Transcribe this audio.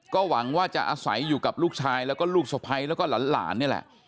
ก็หวังว่าจะอาศัยอยู่กับลูกชายแล้วก็ลูกสะพ้ายแล้วก็หลานนี่แหละ